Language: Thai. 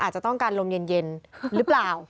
อาจจะต้องการลมเย็นหรือเปล่า